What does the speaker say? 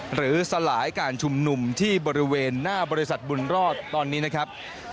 สลายการชุมนุมที่บริเวณหน้าบริษัทบุญรอดตอนนี้นะครับ